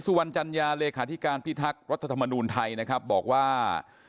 สุวรรณจัญญาเลขาธิการพิทักษ์รัฐธรรมนูลไทยนะครับบอกว่า